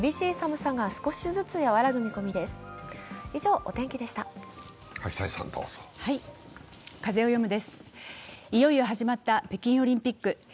いよいよ始まった北京オリンピック。